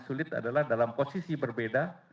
sulit adalah dalam posisi berbeda